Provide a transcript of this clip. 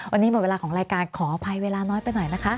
วันนี้หมดเวลาของรายการขออภัยเวลาน้อยไปหน่อยนะคะ